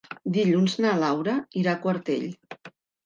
Dilluns na Laura irà a Quartell.